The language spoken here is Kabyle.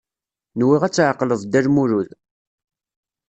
Nwiɣ ad tɛeqleḍ Dda Lmulud.